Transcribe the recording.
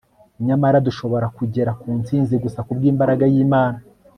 nyamara dushobora kugera ku ntsinzi gusa kubw'imbaraga y'imana